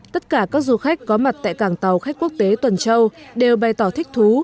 tất cả các du khách có mặt tại cảng tàu khách quốc tế tuần châu đều bày tỏ thích thú